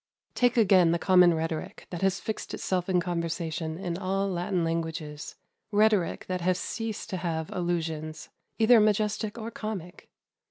Take again the common rhetoric that has fixed itself in conversation in all Latin languages rhetoric that has ceased to have allusions, either majestic or comic.